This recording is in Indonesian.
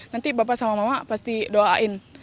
nanti bapak sama mama pasti doain